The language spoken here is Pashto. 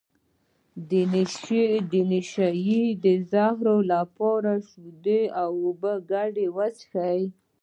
د نشې د زهرو لپاره د شیدو او اوبو ګډول وڅښئ